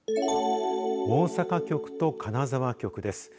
大阪局と金沢局です。